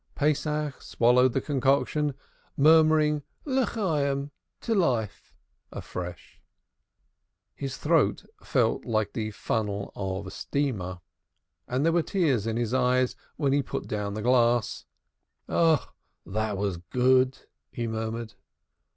Pesach swallowed the concoction, murmuring "To life" afresh. His throat felt like the funnel of a steamer, and there were tears in his eyes when he put down the glass. "Ah, that was good," he murmured.